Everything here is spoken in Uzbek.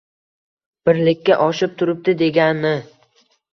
birlikka oshib turibdi degani. h